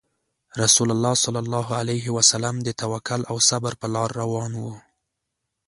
رسول الله صلى الله عليه وسلم د توکل او صبر په لار روان وو.